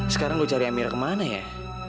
sekarang gue cari amira kemana ya